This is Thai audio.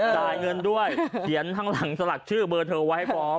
จ่ายเงินด้วยเขียนข้างหลังสลักชื่อเบอร์เธอไว้ให้พร้อม